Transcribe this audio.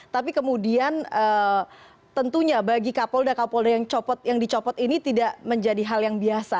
tapi kemudian tentunya bagi kapolda kapolda yang dicopot ini tidak menjadi hal yang biasa